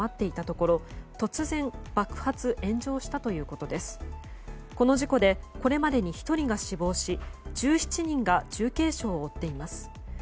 この事故でこれまでに１人が死亡し１７人が重軽傷を負っています。